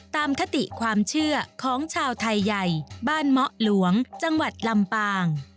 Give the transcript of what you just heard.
คติความเชื่อของชาวไทยใหญ่บ้านเมาะหลวงจังหวัดลำปาง